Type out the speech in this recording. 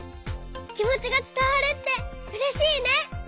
きもちがつたわるってうれしいね！